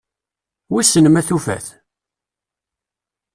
Wissen ma tufa-t?